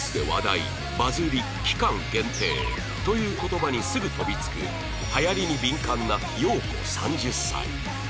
「バズり」「期間限定」という言葉にすぐ飛びつくはやりに敏感な洋子３０歳